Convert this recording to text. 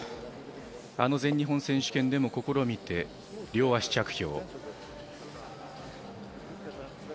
あの全日本選手権でも試みて両足着氷。